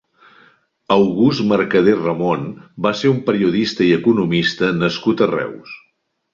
August Mercadé Ramon va ser un periodista i economista nascut a Reus.